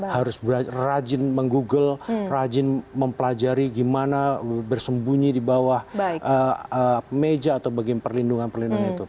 harus rajin meng google rajin mempelajari gimana bersembunyi di bawah meja atau bagian perlindungan perlindungan itu